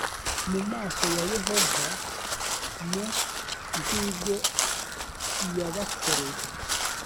mu maso ya yehova m nk ibyo yabakoreye